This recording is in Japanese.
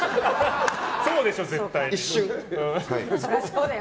そうでしょ、絶対に。